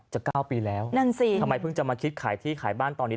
๙ปีแล้วนั่นสิทำไมเพิ่งจะมาคิดขายที่ขายบ้านตอนนี้